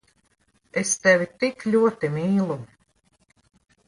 Es tevi tik ļoti mīlu…